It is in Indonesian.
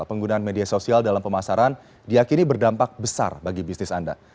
penggunaan media sosial dalam pemasaran diakini berdampak besar bagi bisnis anda